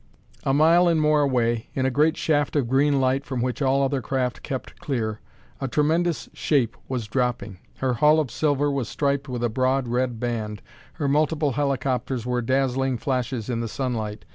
A mile and more away, in a great shaft of green light from which all other craft kept clear, a tremendous shape was dropping. Her hull of silver was striped with a broad red band; her multiple helicopters were dazzling flashes in the sunlight.